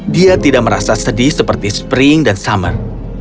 dia tidak merasa sedih seperti spring dan summer